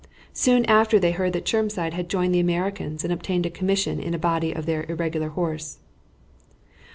Soon after they heard that Chermside had joined the Americans and obtained a commission in a body of their irregular horse.